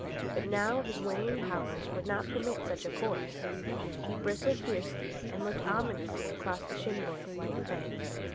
But now his waning powers would not permit such a course. He bristled fiercely and looked ominously across the shin bone at White Fang.